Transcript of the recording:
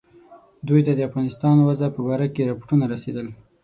دوی ته د افغانستان وضع په باره کې رپوټونه رسېدل.